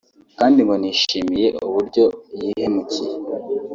kandi ngo ntiyishimiye uburyo yihemukiye